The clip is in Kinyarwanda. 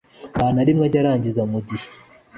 ntanarimwe ajya arangiriza ku gihe